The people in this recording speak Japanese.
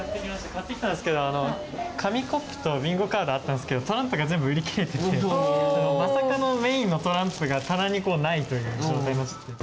買ってきたんですけど紙コップとビンゴカードあったんですけどトランプが全部売り切れててまさかのメインのトランプが棚にないという状態になっちゃって。